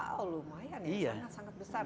wow lumayan ya sangat besar